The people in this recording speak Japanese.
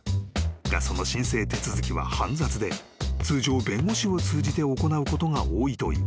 ［がその申請手続きは煩雑で通常弁護士を通じて行うことが多いという］